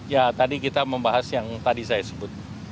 ya tadi kita membahas yang tadi saya sebut